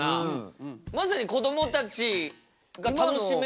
まさにこどもたちが楽しめるね。